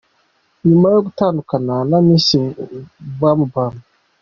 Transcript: Nyuma yo gutandukana na Miss BumBum.